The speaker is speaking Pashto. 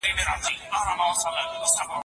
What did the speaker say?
او که خدای مه کړه